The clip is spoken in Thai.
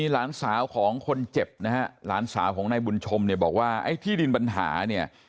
หลานสาวของคนเจ็บนะฮะหลานสาวของนายบุญชมเนี่ยบอกว่าไอ้ที่ดินปัญหาเนี่ย